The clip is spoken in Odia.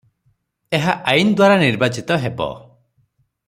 ଏହା ଆଇନଦ୍ୱାରା ନିର୍ବାଚିତ ହେବ ।